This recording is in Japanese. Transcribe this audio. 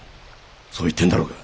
そう言ってんだろうが。